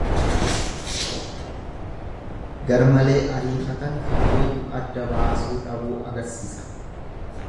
Garmalee ariifatan kan wayyu adda baasuu dhabuu agarsisa.